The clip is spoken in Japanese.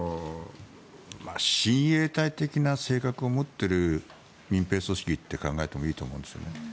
親衛隊的な性格を持っている民兵組織と考えてもいいと思うんですね。